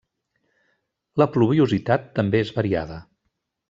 La pluviositat també és variada.